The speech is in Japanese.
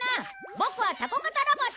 ボクはタコ型ロボット！